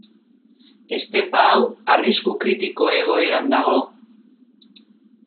Estepa hau arrisku kritiko egoeran dago.